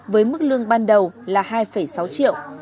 với mức lương ban đầu là hai sáu triệu